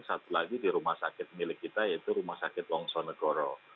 satu lagi di rumah sakit milik kita yaitu rumah sakit wongso negoro